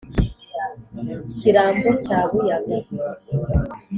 Kirambo cya Buyaga